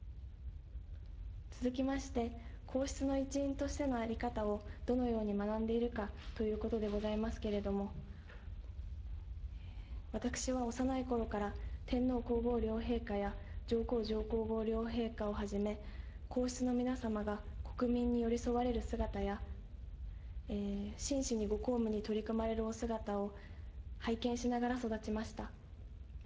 続きまして、皇室の一員としての在り方をどのように学んでいるかということでございますけれども、私は幼いころから、天皇皇后両陛下や上皇上皇后両陛下をはじめ、皇室の皆様が国民に寄り添われる姿や、真摯にご公務に取り組まれるお姿を拝見しながら育ちました。